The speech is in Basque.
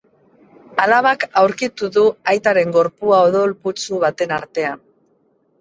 Alabak aurkitu du aitaren gorpua odol putzu baten artean.